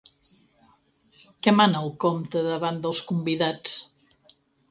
Què mana el comte davant dels convidats?